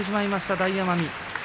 大奄美。